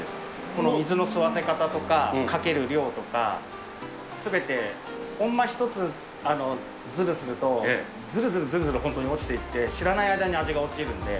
この水の吸わせ方とか、かける量とか、すべてコンマ１つずるすると、ずるずるずるずる本当に落ちていって、知らない間に味が落ちるんで。